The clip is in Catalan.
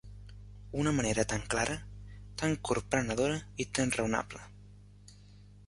Una manera tan clara, tan corprenedora, i tan raonable